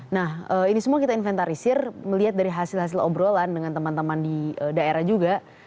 nah ini semua kita inventarisir melihat dari hasil hasil obrolan dengan teman teman di daerah juga